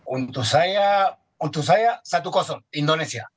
untuk saya satu kosong indonesia